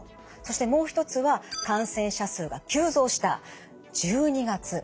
そしてもう一つは感染者数が急増した１２月。